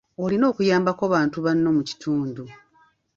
Olina okuyambako bantu banno mu kitundu.